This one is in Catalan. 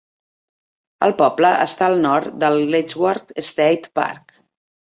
El poble està al nord del Letchworth State Park.